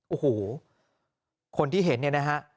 โอ้โหคนที่เห็นนะฮะ